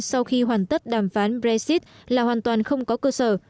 sau khi hoàn tất đàm phán brexit là hoàn toàn không có cơ sở